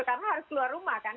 karena harus keluar rumah kan